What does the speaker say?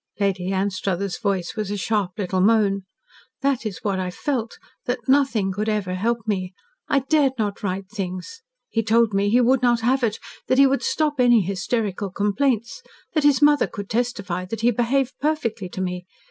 Lady Anstruthers' voice was a sharp little moan. "That was what I felt that nothing could ever help me. I dared not write things. He told me he would not have it that he would stop any hysterical complaints that his mother could testify that he behaved perfectly to me.